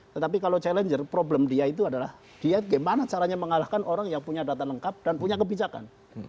tetapi kalau challenger problem dia itu adalah dia gimana caranya mengalahkan orang yang punya data lengkap dan punya kebijakan